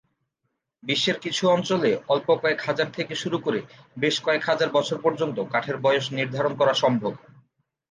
বিশ্বের কিছু অঞ্চলে অল্প কয়েক হাজার থেকে শুরু করে বেশ কয়েক হাজার বছর পর্যন্ত কাঠের বয়স নির্ধারণ করা সম্ভব।